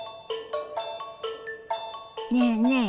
ねえねえ